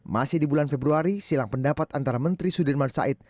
masih di bulan februari silang pendapat antara menteri sudirman said